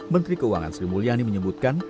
menteri keuangan sri mulyani menyebutkan